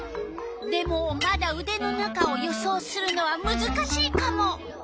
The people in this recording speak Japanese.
でもまだうでの中を予想するのはむずかしいカモ。